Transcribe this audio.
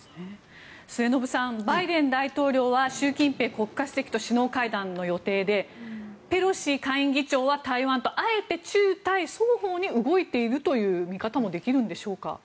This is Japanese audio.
末延さんバイデン大統領は習近平国家主席と首脳会談の予定でペロシ下院議長は台湾とあえて中台双方に動いているという見方もできるんでしょうか。